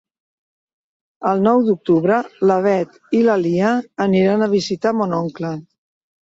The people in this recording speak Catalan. El nou d'octubre na Beth i na Lia iran a visitar mon oncle.